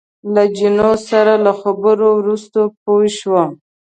له جینو سره له خبرو وروسته پوه شوم.